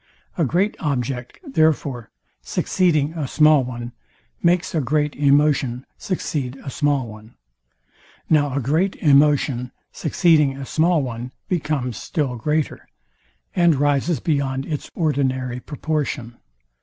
A great object, therefore, succeeding a small one makes a great emotion succeed a small one. Now a great emotion succeeding a small one becomes still greater, and rises beyond its ordinary proportion.